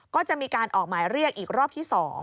ก็จะมีการออกหมายเรียกอีกรอบที่๒